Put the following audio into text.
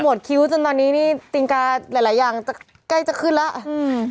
ขมดคิ้วจนตอนนี้นี่ติงกาหลายอย่างใกล้จะขึ้นแล้ว